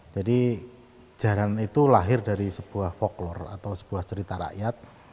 jadi jaranan itu lahir dari sebuah folklore atau sebuah kisah yang berlaku di dunia ini